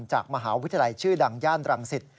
จากมหาวิทยาลัยชื่อดังย่านรังสิต